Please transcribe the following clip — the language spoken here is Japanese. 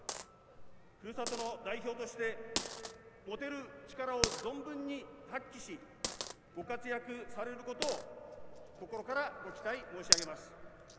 ふるさとの代表として持てる力を存分に発揮しご活躍されることを心からご期待申し上げます。